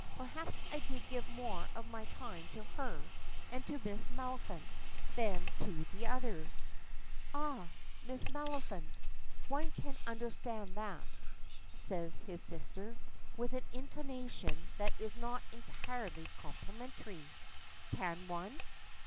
Perhaps I did give more of my time to her and to Miss Maliphant than to the others." "Ah! Miss Maliphant! one can understand that," says his sister, with an intonation that is not entirely complimentary. "Can one?